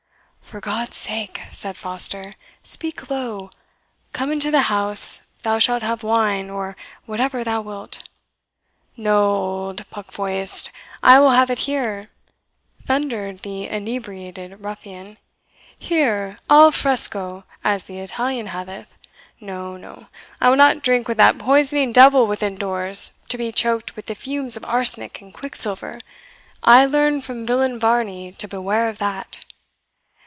"For God's sake," said Foster, "speak low come into the house thou shalt have wine, or whatever thou wilt." "No, old puckfoist, I will have it here," thundered the inebriated ruffian "here, AL FRESCO, as the Italian hath it. No, no, I will not drink with that poisoning devil within doors, to be choked with the fumes of arsenic and quick silver; I learned from villain Varney to beware of that."